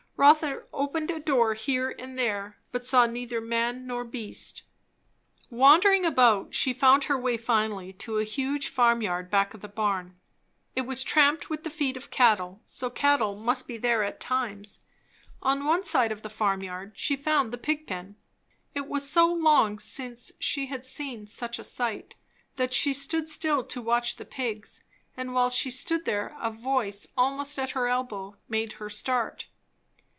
Rotha opened a door here and there, but saw neither man nor beast. Wandering about, she found her way finally to a huge farmyard back of the barn. It was tramped with the feet of cattle, so cattle must be there at times. On one side of the farmyard she found the pig pen. It was so long since she had seen such a sight, that she stood still to watch the pigs; and while she stood there a voice almost at her elbow made her start.